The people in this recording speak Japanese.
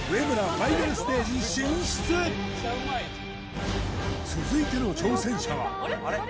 ファイナルステージ進出続いての挑戦者はいやあっ！